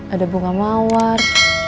ada bunga mawar